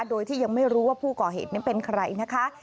โดยที่ยังไม่รู้ว่าผู้ก่อเหตุนั้นเป็นใครนะคะ